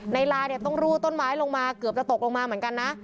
ลาเนี่ยต้องรูดต้นไม้ลงมาเกือบจะตกลงมาเหมือนกันนะ